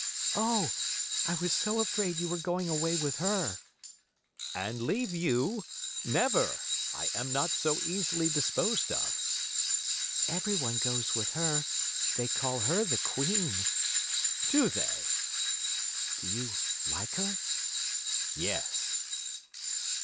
"Oh! I was so afraid you were going away with her." "And leave you? Never, I'm not so easily disposed of." "Everyone goes with her. They call her the Queen." "Do they?" "Do you like her?" "Yes."